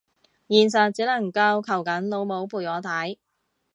現實只能夠求緊老母陪我睇